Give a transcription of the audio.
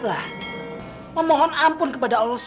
dia memohon ampun kepada allah swt